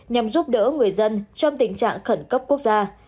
nhằm giúp đỡ người dân trong tình trạng khẩn cấp quốc gia